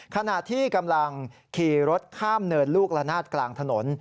ขณะที่กำลังขี่รถข้ามเนินลูกละนาดกลางถนน